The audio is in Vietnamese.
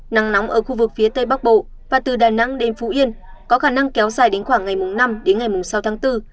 nắng nóng ở khu vực phía tây bắc bộ và từ đà nẵng đến phú yên có khả năng kéo dài đến khoảng ngày năm đến ngày sáu tháng bốn